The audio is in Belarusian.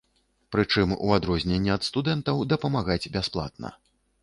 Прычым, у адрозненне ад студэнтаў, дапамагаць бясплатна.